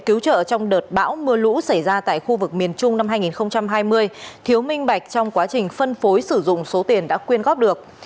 cứu trợ trong đợt bão mưa lũ xảy ra tại khu vực miền trung năm hai nghìn hai mươi thiếu minh bạch trong quá trình phân phối sử dụng số tiền đã quyên góp được